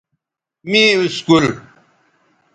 می اسکول